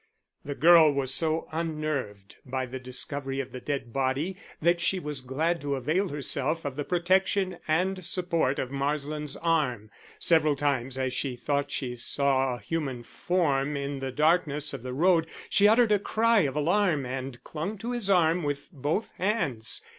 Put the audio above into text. The girl was so unnerved by the discovery of the dead body that she was glad to avail herself of the protection and support of Marsland's arm. Several times as she thought she saw a human form in the darkness of the road, she uttered a cry of alarm and clung to his arm with both hands.